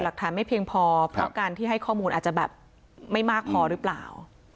หลักฐานไม่เพียงพอเพราะการที่ให้ข้อมูลอาจจะแบบไม่มากพอหรือเปล่า